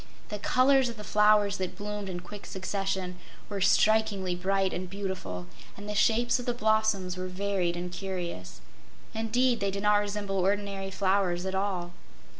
The colors of the flowers that bloomed in quick succession were strikingly bright and beautiful, and the shapes of the blossoms were varied and curious. Indeed, they did not resemble ordinary flowers at all.